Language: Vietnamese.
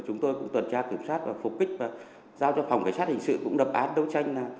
chúng tôi cũng tuần tra kiểm soát và phục kích và giao cho phòng cảnh sát hình sự cũng đập án đấu tranh